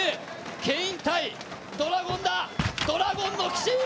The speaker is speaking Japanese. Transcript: ケイン対ドラゴンだ、ドラゴンの騎士